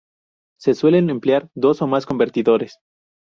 Se suelen emplear dos o más convertidores.